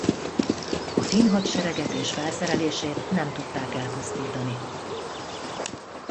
A finn hadsereget és felszerelését nem tudták elpusztítani.